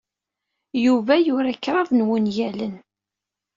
Yuba yura kraḍ n wungalen.